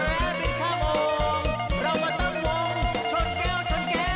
ยาวเงียบ